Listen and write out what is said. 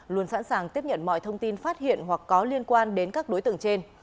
luôn sẵn sàng tiếp nhận mọi thông tin phát hiện hoặc có liên quan đến các đối tượng trên